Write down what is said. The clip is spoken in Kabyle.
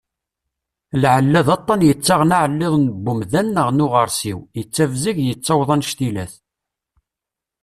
Lɛella d aṭan yettaɣen aɛelliḍ n umdan neɣ n uɣarsiw, yettabzag yettaweḍ anec-ilat.